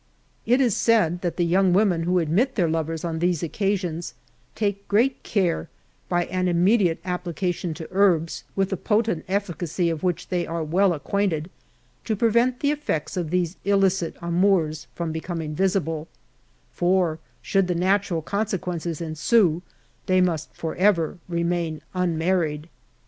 It is said that the young women who admit their lov era en these occasions, take groat care, by an immediate ap plication to herbs, \vitii the potent efficacy of which they are well acquainted, to prevent the affects of these illicit amours from becoming visible; for should the natural consequences ensue, they must forever remain unmarried."